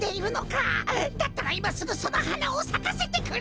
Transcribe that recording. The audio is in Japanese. だったらいますぐそのはなをさかせてくれ！